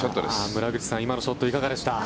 村口さん、今のショットいかがでした？